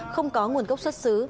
không có nguồn gốc xuất xứ